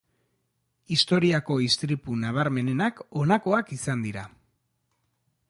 Historiako istripu nabarmenenak honakoak izan dira.